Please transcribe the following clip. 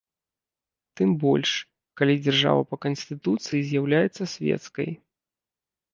Тым больш, калі дзяржава па канстытуцыі з'яўляецца свецкай.